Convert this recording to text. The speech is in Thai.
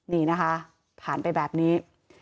นี่นะคะผ่านไปแบบนี้